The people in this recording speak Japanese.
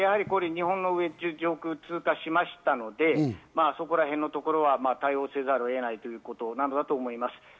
日本の上空を通過しましたのでそこらへんのところは対応せざるを得ないということなんだと思います。